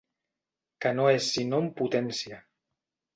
Que no és sinó en potència.